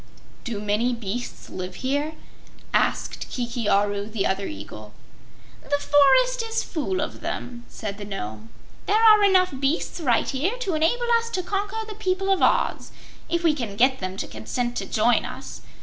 "Do many beasts live here?" asked Kiki Aru, the other eagle. "The forest is full of them," said the Nome. "There are enough beasts right here to enable us to conquer the people of Oz, if we can get them to consent to join us.